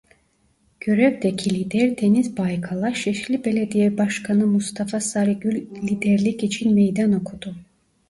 Görevdeki lider Deniz Baykal'a Şişli Belediye Başkanı Mustafa Sarıgül liderlik için meydan okudu.